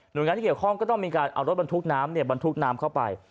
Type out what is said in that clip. โดยงานที่เกี่ยวข้องก็ต้องมีการเอารถบรรทุกน้ำบรรทุกน้ำเข้าไป